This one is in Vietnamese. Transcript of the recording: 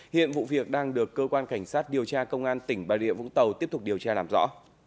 hiện vụ việc đang được cơ quan cảnh sát điều tra công an tỉnh bà rịa vũng tàu tiếp tục điều tra làm rõ